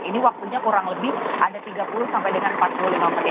ini waktunya kurang lebih ada tiga puluh sampai dengan empat puluh lima menit